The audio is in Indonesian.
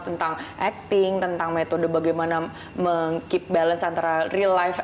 tentang acting tentang metode bagaimana meng keep balance antara real life